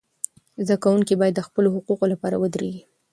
زده کوونکي باید د خپلو حقوقو لپاره ودریږي.